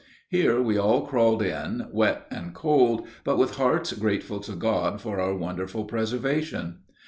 Here we all crawled in, wet and cold, but with hearts grateful to God for our wonderful preservation.